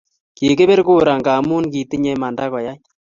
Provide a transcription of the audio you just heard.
Kikipir kura ngamun kitinye imanda kuyai